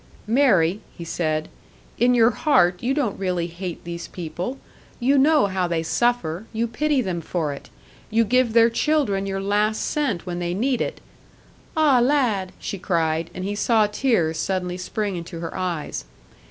"Mary," he said, "in your heart you don't really hate these people. You know how they suffer, you pity them for it. You give their children your last cent when they need it " "Ah, lad!" she cried, and he saw tears suddenly spring into her eyes.